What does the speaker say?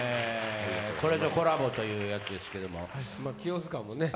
これぞコラボというやつですけども清塚もね